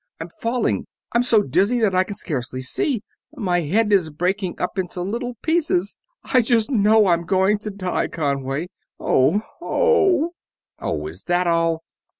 I'm falling ... I'm so dizzy that I can scarcely see ... my head is breaking up into little pieces ... I just know I'm going to die, Conway! Oh ... oh!" "Oh, is that all!"